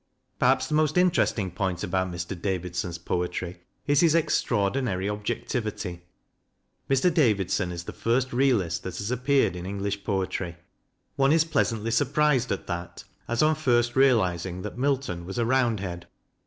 Perhaps the most interesting point about Mr. Davidson's poetry is his extraordinary objectivity. Mr. Davidson is the first realist that has appeared in English poetry. One is pleasantly surprised at that, as on first realizing that Milton was a Roundhead.